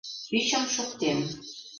Ӱчым шуктем.